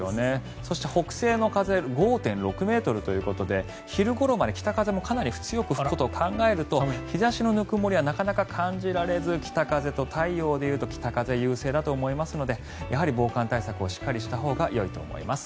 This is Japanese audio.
そして北西の風５．６ｍということで昼ごろまで北風もかなり強く吹くことを考えると日差しのぬくもりはなかなか感じられず「北風と太陽」でいうと北風優勢だと思いますので防寒対策をしっかりしたほうがよいと思います。